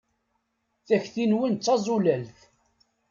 Takti-nwen d tazulalt.